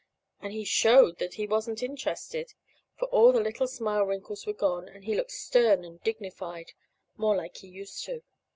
And he showed he wasn't interested, for all the little smile wrinkles were gone, and he looked stern and dignified, more like he used to.